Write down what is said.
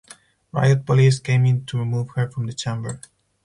Riot police came in to remove her from the chamber.